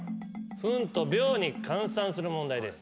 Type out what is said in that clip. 分と秒に換算する問題です。